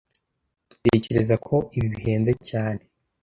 Dutekereza ko ibi bihenze cyane.